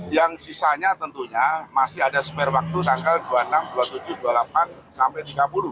yang sisanya tentunya masih ada spare waktu tanggal dua puluh enam dua puluh tujuh dua puluh delapan sampai tiga puluh